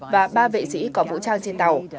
và ba vệ sĩ có vũ trang trên tàu